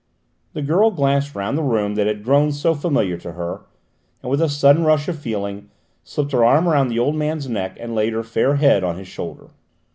The girl glanced round the room that had grown so familiar to her, and with a sudden rush of feeling slipped her arm around the old man's neck and laid her fair head on his shoulder.